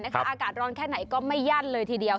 อากาศร้อนแค่ไหนก็ไม่ยั่นเลยทีเดียว